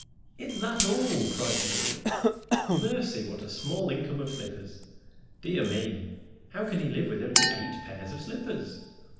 "Is that all?" cried the Idiot. "Mercy, what a small income of slippers! Dear me! how can he live with only eight pairs of slippers?